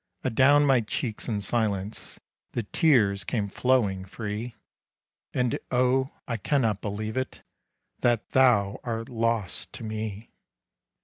Adown my cheeks in silence, The tears came flowing free. And oh! I cannot believe it, That thou art lost to me!